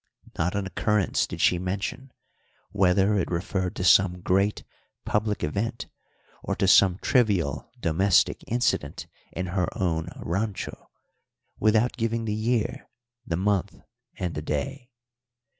Not an occurrence did she mention, whether it referred to some great public event or to some trivial domestic incident in her own rancho, without giving the year, the month, and the day.